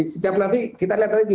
setiap nanti kita lihat lagi